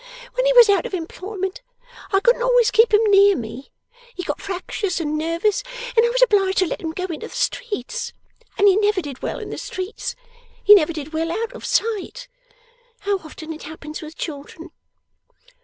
When he was out of employment, I couldn't always keep him near me. He got fractious and nervous, and I was obliged to let him go into the streets. And he never did well in the streets, he never did well out of sight. How often it happens with children!